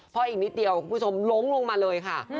เพราะอีกนิดเดียวคุณผู้ชมล้มลงมาเลยค่ะ